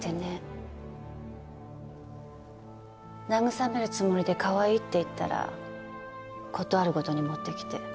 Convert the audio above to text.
慰めるつもりでかわいいって言ったら事あるごとに持ってきて。